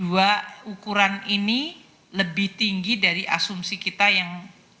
untuk perusahaan ini lebih tinggi dari asumsi kita yang lima belas